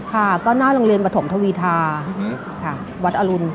ค่ะก็หน้าโรงเรียนปฐมทวีธาค่ะวัดอรุณ